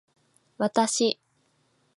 私